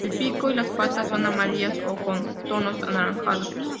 El pico y las patas son amarillas o con tonos anaranjados.